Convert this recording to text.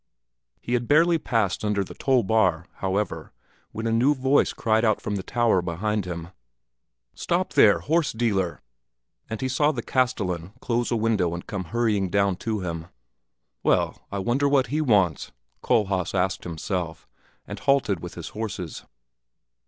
He had hardly passed under the toll bar, however, when a new voice cried out from the tower behind him, "Stop there, horse dealer!" and he saw the castellan close a window and come hurrying down to him. "Well, I wonder what he wants!" Kohlhaas asked himself, and halted with his horses.